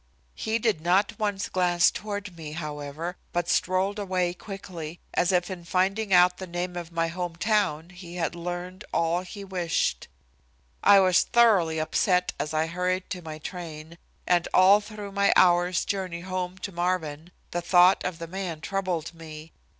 He did not once glance toward me, however, but strolled away quickly, as if in finding out the name of my home town he had learned all he wished. I was thoroughly upset as I hurried to my train, and all through my hour's journey home to Marvin the thought of the man troubled me.